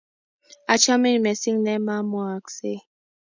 Achamin missing' ne ma mwooksey